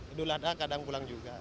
idul adha kadang pulang juga